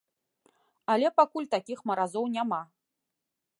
Але пакуль такіх маразоў няма.